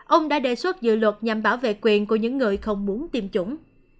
ông đã đề xuất dự luật nhằm bảo vệ quyền của những người không muốn tiêm chủng